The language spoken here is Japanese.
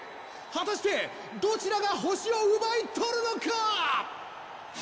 果たしてどちらが星を奪い取るのか！